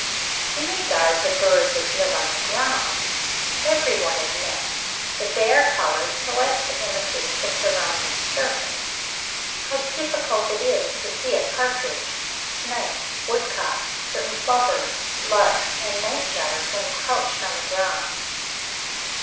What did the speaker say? In regard to birds which live on the ground, every one admits that they are coloured so as to imitate the surrounding surface. How difficult it is to see a partridge, snipe, woodcock, certain plovers, larks, and night jars when crouched on ground.